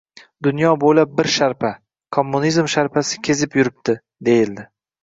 Dunyo bo‘ylab bir sharpa — kommunizm sharpasi kezib yurib-di, deyildi.